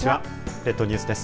列島ニュースです。